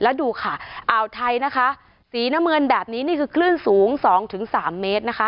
แล้วดูค่ะอ่าวไทยนะคะสีน้ำเงินแบบนี้นี่คือคลื่นสูง๒๓เมตรนะคะ